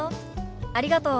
ありがとう。